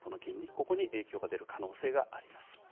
ここに影響が出る可能性があります。